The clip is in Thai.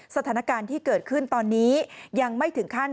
สถานการณ์ที่เกิดขึ้นตอนนี้ยังไม่ถึงขั้น